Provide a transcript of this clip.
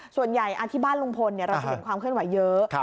ส่วนใหญ่ที่บ้านลุงพลเราจะเห็นความเคลื่อนไหวเยอะ